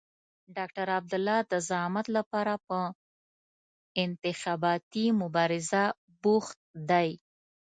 ډاکټر عبدالله د زعامت لپاره په انتخاباتي مبارزه بوخت دی.